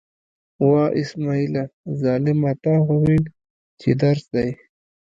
وه! اسمعیله ظالمه، تا خو ویل چې درس دی.